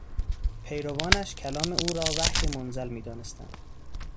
پیروانش کلام او را وحی منزل میدانستند.